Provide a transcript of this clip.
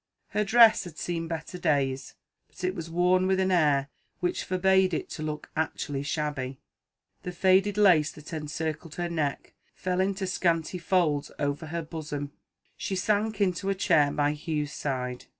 Her dress had seen better days, but it was worn with an air which forbade it to look actually shabby. The faded lace that encircled her neck fell in scanty folds over her bosom. She sank into a chair by Hugh's side.